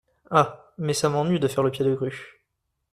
Ah ! mais, ça m'ennuie de faire le pied de grue.